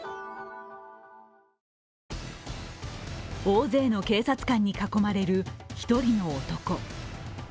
大勢の警察官に囲まれる一人の男。